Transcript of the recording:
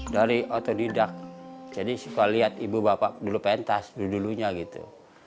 dari otodidak jadi suka lihat ibu bapak dulu pentas dulu dulunya gitu